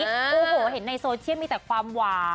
โอ้โหเห็นในโซเชียลมีแต่ความหวาน